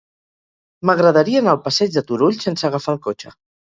M'agradaria anar al passeig de Turull sense agafar el cotxe.